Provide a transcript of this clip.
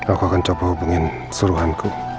aku akan coba pengen suruhanku